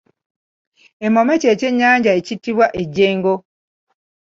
Emmome kye ky’ennyanja ekittibwa ejjengo.